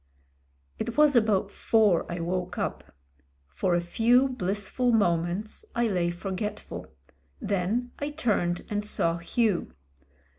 ... It was about four I woke up. For a few blissful moments I lay forgetful ; then I turned and saw Hugh.